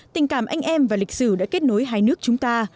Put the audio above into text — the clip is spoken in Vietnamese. tình cảm anh em và lịch sử đã kết nối hai nước chúng ta